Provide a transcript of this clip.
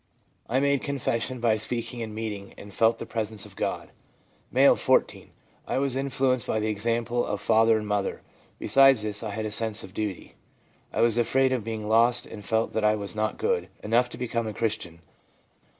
I made confession by speaking in meeting, and felt the peace of God/ M., 14. ' I was influenced by the example of father and mother ; besides this, I had a sense of duty. I was afraid of being lost, and felt that I was not good enough to become a Christian.